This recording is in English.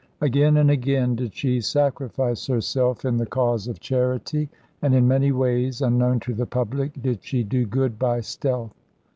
Again and again did she sacrifice herself in the cause of charity; and in many ways unknown to the public did she do good by stealth.